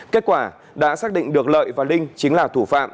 kết quả đã xác định được lợi và linh chính là thủ phạm